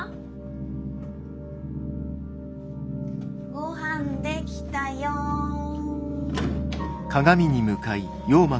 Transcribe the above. ごはんできたよん。